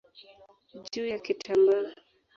juu ya kitambaa.